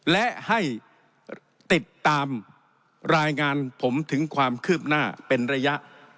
และให้ติดตามรายงานผมถึงความคืบหน้าเป็นระยะ